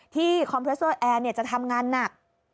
ที่คอมเพรสเซอร์แอร์เนี่ยจะทำงานหนัก